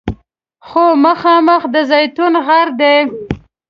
خو مخامخ د زیتون غر دی.